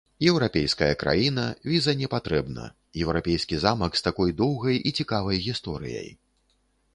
Еўрапейская краіна, віза не патрэбна, еўрапейскі замак з такой доўгай і цікавай гісторыяй.